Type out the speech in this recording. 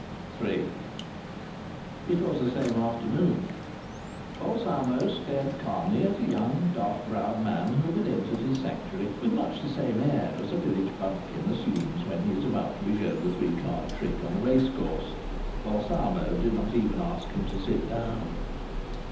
III It was the same afternoon. Balsamo stared calmly at a young dark browed man who had entered his sanctuary with much the same air as a village bumpkin assumes when he is about to be shown the three card trick on a race course. Balsamo did not even ask him to sit down.